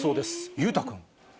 裕太君。